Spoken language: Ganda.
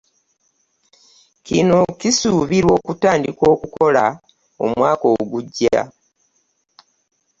Kino kisuubirwa okutandika okukola omwaka ogujja.